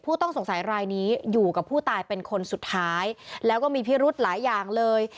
ต้องสงสัยรายนี้อยู่กับผู้ตายเป็นคนสุดท้ายแล้วก็มีพิรุธหลายอย่างเลย